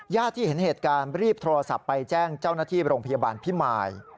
ที่เห็นเหตุการณ์รีบโทรศัพท์ไปแจ้งเจ้าหน้าที่โรงพยาบาลพิมาย